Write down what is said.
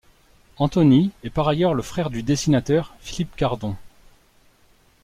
Anthony est par ailleurs le frère du dessinateur Philippe Cardon.